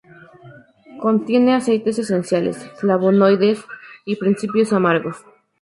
Contiene aceites esenciales, flavonoides y principios amargos.